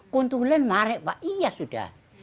kuntulalan marek pak iya sudah